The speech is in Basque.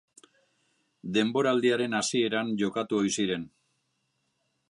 Denboraldiaren hasieran jokatu ohi ziren.